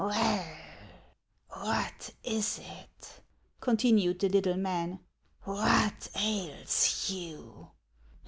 " Well ! what is it ?" continued the little man. " What ails you